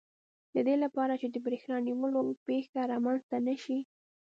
د دې لپاره چې د بریښنا نیولو پېښه رامنځته نه شي.